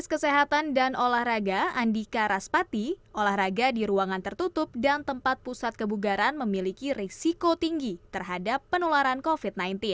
dinas kesehatan dan olahraga andika raspati olahraga di ruangan tertutup dan tempat pusat kebugaran memiliki risiko tinggi terhadap penularan covid sembilan belas